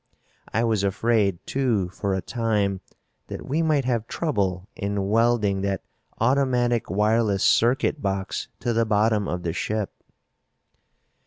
I was afraid, too, for a time, that we might have trouble in welding that automatic wireless circuit box to the bottom of the ship."